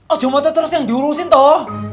aduh motor terus yang diurusin toh